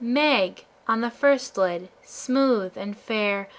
"Meg" on the first lid, smooth and fair.